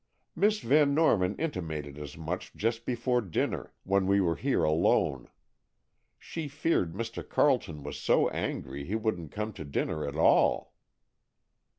"Miss Van Norman intimated as much just before dinner, when we were here alone. She feared Mr. Carleton was so angry he wouldn't come to dinner at all."